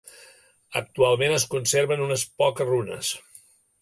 Actualment es conserven unes poques runes.